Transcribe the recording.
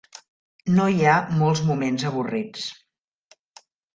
No hi ha molts moments avorrits.